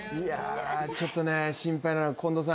ちょっと心配なのは近藤さん